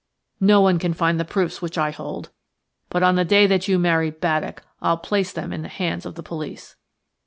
No one can find the proofs which I hold. But on the day that you marry Baddock I'll place them in the hands of the police."